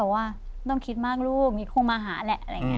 แม่บอกว่าต้องคิดมากลูกมีครูมาหาแหละ